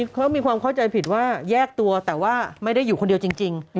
เขามีความเข้าใจผิดว่าแยกตัวแต่ว่าไม่ได้อยู่คนเดียวจริง